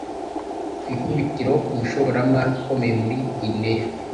Ku ikubitiro umushoramari ukomeye muri Guinea